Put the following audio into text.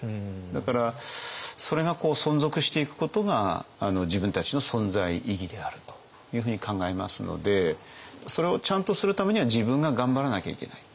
だからそれが存続していくことが自分たちの存在意義であるというふうに考えますのでそれをちゃんとするためには自分が頑張らなきゃいけない。